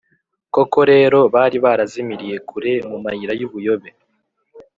Koko rero, bari barazimiriye kure mu mayira y’ubuyobe,